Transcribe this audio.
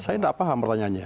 saya tidak paham pertanyaannya